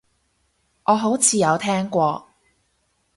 我好似有聽過